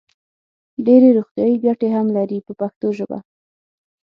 ډېرې روغتیايي ګټې هم لري په پښتو ژبه.